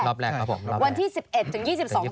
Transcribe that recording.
รอบแรกครับผม